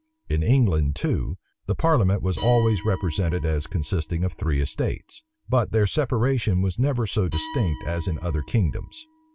In England too, the parliament was always represented as consisting of three estates; but their separation was never so distinct as in other kingdoms.